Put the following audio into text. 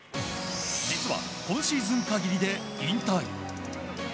実は、今シーズン限りで引退。